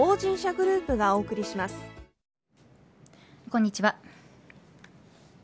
こんにちは。